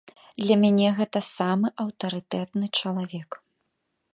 Для мяне гэта самы аўтарытэтны чалавек.